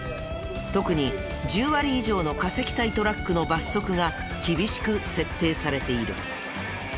特に１０割以上の過積載トラックの罰則が厳しく設定されている。